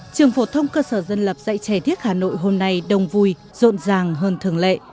trường phổ thông cơ sở dân lập dạy trẻ thiết hà nội hôm nay đông vui rộn ràng hơn thường lệ